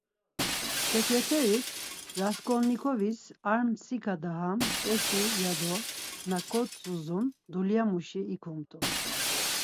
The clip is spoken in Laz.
Seǩreterik Rasǩolnikovis, ar mtsika daha mç̌eşi, yado na kotzuzun dulyamuşi ikumt̆u.